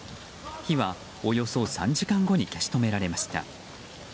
火はおよそ３時間後に消し止められました。